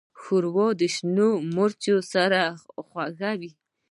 ښوروا د شنو مرچو سره خوږه وي.